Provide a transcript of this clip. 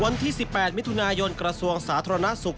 วันที่๑๘มิถุนายนกระทรวงสาธารณสุข